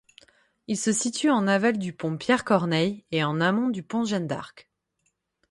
Il se situe en aval du pont Pierre-Corneille et en amont du pont Jeanne-d'Arc.